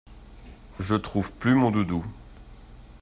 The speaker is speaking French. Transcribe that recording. Je trouve plus mon doudou.